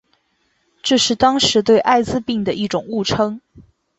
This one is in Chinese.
这是当时对艾滋病的一种误称。